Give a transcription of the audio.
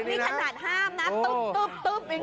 นี่คำสัดห้ามนะตึ๊บ